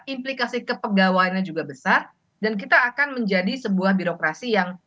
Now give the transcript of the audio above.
implikasi kepegawaiannya juga besar dan kita akan menjadi sebuah birokrasi yang